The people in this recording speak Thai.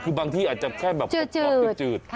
คือบางที่อาจจะแค่แบบชอบจืด